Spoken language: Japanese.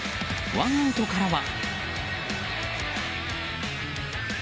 ワンアウトからは。